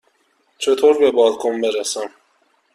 چطور به بالکن برسم؟